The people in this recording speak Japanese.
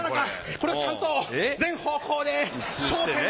これをちゃんと全方向で。